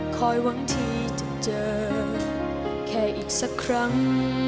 หวังที่จะเจอแค่อีกสักครั้ง